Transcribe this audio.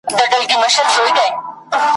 تر قیامته پر تڼاکو خپل مزل درته لیکمه `